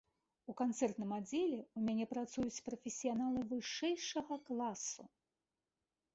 У канцэртным аддзеле ў мяне працуюць прафесіяналы вышэйшага класу.